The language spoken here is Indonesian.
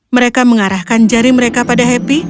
mereka mengarahkan jari mereka pada happy